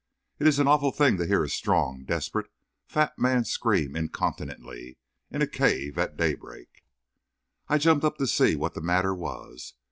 It's an awful thing to hear a strong, desperate, fat man scream incontinently in a cave at daybreak. I jumped up to see what the matter was.